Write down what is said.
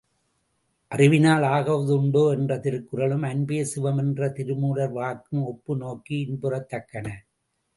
அறிவினால் ஆகுவதுண்டோ என்ற திருக்குறளும் அன்பே சிவம் என்ற திருமூலர் வாக்கும் ஒப்புநோக்கி இன்புறத்தக்கன.